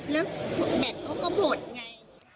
แล้วแบตเขาก็โผลดไง